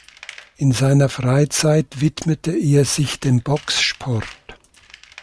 In seiner Freizeit widmete er sich dem Boxsport.